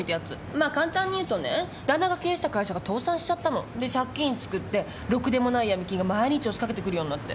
まあ簡単に言うとね旦那が経営してた会社が倒産しちゃったの。で借金つくってろくでもないヤミ金が毎日押しかけてくるようになって。